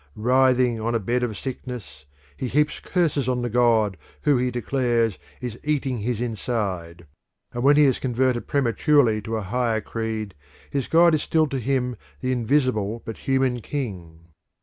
Writhing on a bed of sickness, he heaps curses on the god who he declares is "eating his inside"; and when he is converted prematurely to a higher creed his god is still to him the invisible but human king.